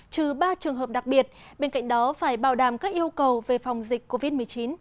trừ ba trường hợp đặc biệt bên cạnh đó phải bảo đảm các yêu cầu về phòng dịch covid một mươi chín